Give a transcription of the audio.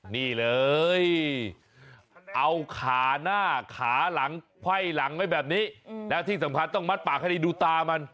นี่เลยเอาขาหน้าขาหลังไพ่หลังไว้แบบนี้แล้วที่สำคัญต้องมัดปากให้ได้ดูตามัน